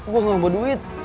gue gak bawa duit